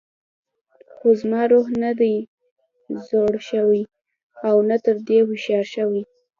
خو زما روح نه دی زوړ شوی او نه تر دې هوښیار شوی.